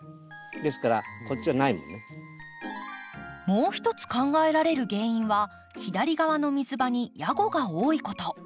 もう一つ考えられる原因は左側の水場にヤゴが多いこと。